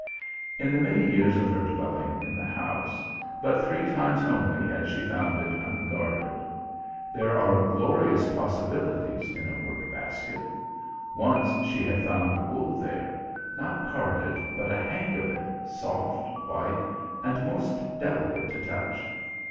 In the many years of her dwelling in the house, but three times only had she found it unguarded. There are glorious possibilities in a workbasket. Once she had found wool there, not carded, but a hank of it, soft, white and most delicate to touch.